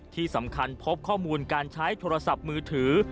ที่สำคัญพบข้อมูลการใช้โทรศัพท์มือถือ